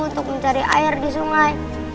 untuk mencari air di sungai